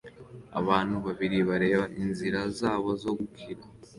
Abantu babiri bareba inzira zabo zo gukina